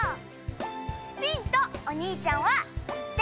スピンとお兄ちゃんは１点。